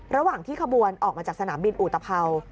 ระหว่างที่ขบวนออกมาจากสนามบินอุตภัวร์